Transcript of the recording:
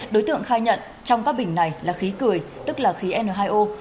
đối tượng khai nhận trong các bình này là khí cười tức là khí n hai o